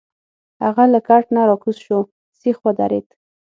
هغه له کټ نه راکوز شو، سیخ ودرید.